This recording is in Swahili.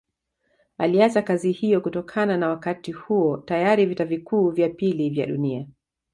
Aliacha kazi hiyo kutokana na Wakati huo tayari vita vikuu vya pili vya dunia